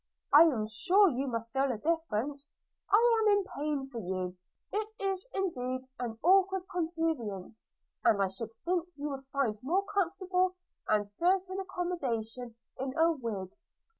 – I am sure you must feel a difference – I am in pain for you! – It is, indeed, an awkward contrivance; and I should think you would find more comfortable and certain accommodation in a wig.'